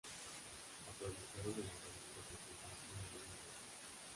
Aprovecharon el lanzamiento para estrenar un nuevo logotipo.